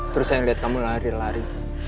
terus saya lihat kamu lari lari